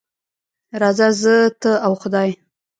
راځه زه، ته او خدای.